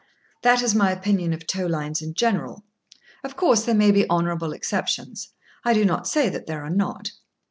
That is my opinion of tow lines in general. Of course, there may be honourable exceptions; I do not say that there are not.